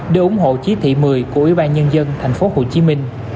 để ủng hộ chí thị một mươi của ủy ban nhân dân tp hcm